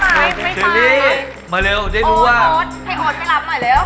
พี่ชีวิตรก็ไปบ่อยไม่ไม่มาแล้วได้รู้ว่าโอ๊ตให้โอ๊ตไปรับหน่อยเร็ว